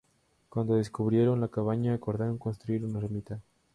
Cuando descubrieron la cabaña, acordaron construir una ermita.